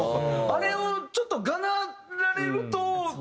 あれをちょっとがなられると強いもんね。